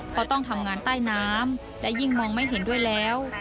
เพราะต้องทำงานใต้น้ำและยิ่งมองไม่เห็นด้วยแล้ว